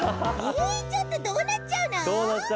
えちょっとどうなっちゃうの？